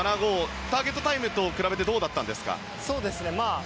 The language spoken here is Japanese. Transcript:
ターゲットタイムと比べてどうだったんですか？